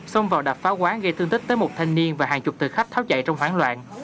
xông vào đập phá quán gây thương tích tới một thanh niên và hàng chục thực khách tháo chạy trong hoảng loạn